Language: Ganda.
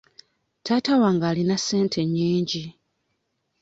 Taata wange alina ssente nnyingi.